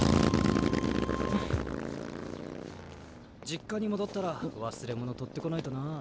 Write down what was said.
実家に戻ったら忘れ物取ってこないとな。